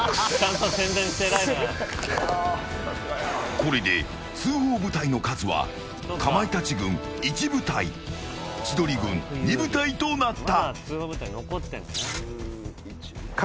これで通報部隊の数はかまいたち軍１部隊千鳥軍２部隊となった。